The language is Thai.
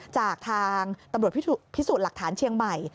จากทางตำรวจพิสูจน์หลักฐานเชียงใหม่